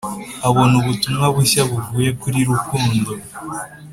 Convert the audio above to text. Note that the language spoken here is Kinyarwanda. abona ubutumwa bushya buvuye kuri rukundo